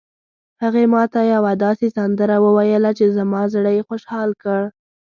هغې ما ته یوه داسې سندره وویله چې زما زړه یې خوشحال کړ